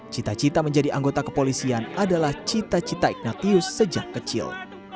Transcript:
cita cita menjadi anggota kepolisian adalah cita cita ignatius sejak kecil